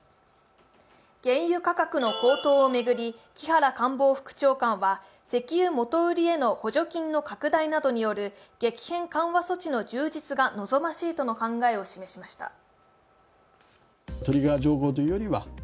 原油価格の高騰を巡り木原官房副長官は石油元売りへの補助金の拡大などによる激変緩和措置の充実が望ましいとの考えを示しました。